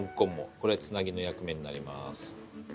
これはつなぎの役目になります。